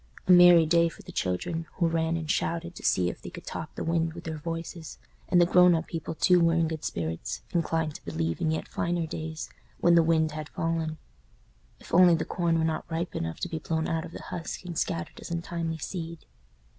A merry day for the children, who ran and shouted to see if they could top the wind with their voices; and the grown up people too were in good spirits, inclined to believe in yet finer days, when the wind had fallen. If only the corn were not ripe enough to be blown out of the husk and scattered as untimely seed!